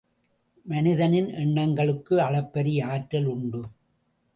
மனிதனின் எண்ணங்களுக்கு அளப்பரிய ஆற்றல் உண்டு.